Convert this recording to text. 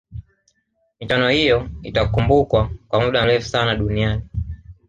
michuano hiyo itakumbukwa kwa muda mrefu sana duniani